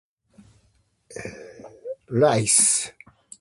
Rice.